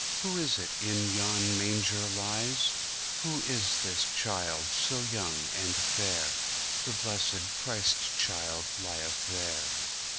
Who is it in yon manger lies? Who is this child so young and fair? The blessed Christ child lieth there.